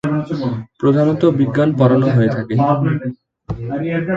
প্রধাণত বিজ্ঞান পড়ানো হয়ে থাকে।